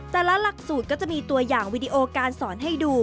หลักสูตรก็จะมีตัวอย่างวิดีโอการสอนให้ดู